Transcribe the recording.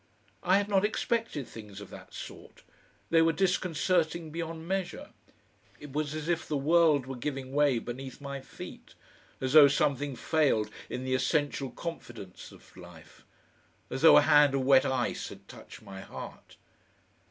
I had not expected things of that sort; they were disconcerting beyond measure; it was as if the world were giving way beneath my feet, as though something failed in the essential confidence of life, as though a hand of wet ice had touched my heart.